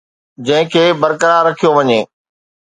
جنهن کي برقرار رکيو وڃي